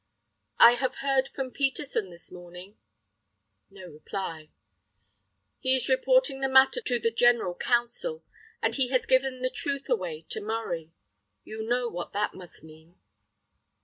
"I have heard from Peterson this morning." No reply. "He is reporting the matter to the General Council, and he has given the truth away to Murray. You know what that must mean."